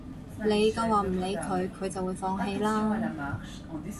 你夠話唔理佢，佢就會放棄啦